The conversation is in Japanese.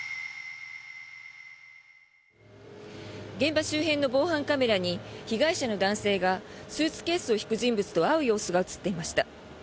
現場周辺の防犯カメラに被害者の男性がスーツケースを引く人物と会う様子が映っていました。